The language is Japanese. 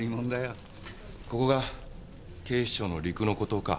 ここが警視庁の「陸の孤島」か。